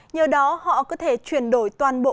nhờ đó họ có thể chuyển đổi toàn bộ